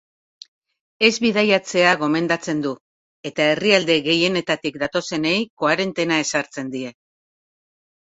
Ez bidaiatzea gomendatzen du, eta herrialde gehienetatik datozenei koarentena ezartzen die.